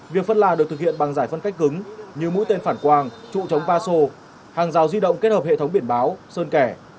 việc phân làn được thực hiện bằng giải phân cách cứng như mũi tên phản quang trụ chống va sô hàng rào di động kết hợp hệ thống biển báo sơn kẻ